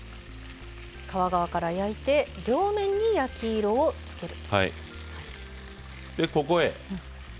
皮側から焼いて両面に焼き色をつける。